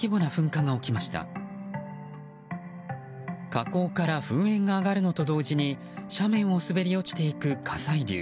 火口から噴煙が上がるのと同時に斜面を滑り落ちていく火砕流。